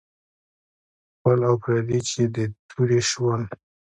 خپل او پردي چې د تورې شول.